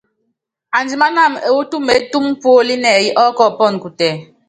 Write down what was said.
Andimánáma ewú tumeétúmu póli nɛyɛ ɔ́kɔɔ́pɔnɔ kutɛ.